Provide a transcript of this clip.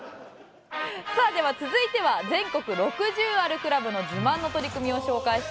さあでは続いては全国６０あるクラブの自慢の取り組みを紹介していく